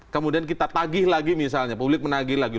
kemudian kita tagih lagi misalnya publik menagih lagi